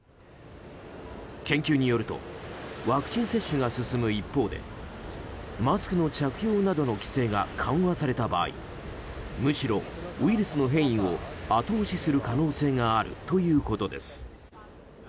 研究によるとワクチン接種が進む一方でマスクの着用などの規制が緩和された場合むしろウイルスの変異を後押しする可能性があるということです。